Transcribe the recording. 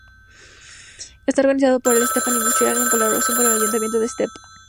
Es organizado por el Estepa Industrial, en colaboración con el ayuntamiento de Estepa.